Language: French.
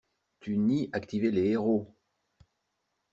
Tu nies activer les héros.